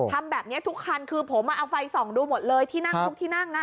ทำแบบนี้ทุกคันคือผมเอาไฟส่องดูหมดเลยที่นั่งทุกที่นั่ง